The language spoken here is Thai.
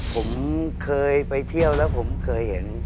ผมเคยไปเที่ยวแล้วผมเคยเห็น